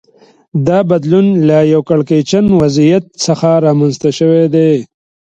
دا بدلون له یوه کړکېچن وضعیت څخه رامنځته شوی دی